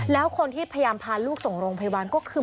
แล้วคนที่พยายามพาลูกส่งโรงพยาบาลก็คือ